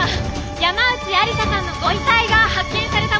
山内愛理沙さんのご遺体が発見されたもようです。